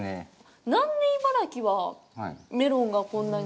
なんで茨城はメロンがこんなに。